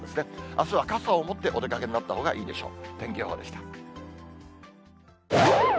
あすは傘を持ってお出かけになったほうがいいでしょう。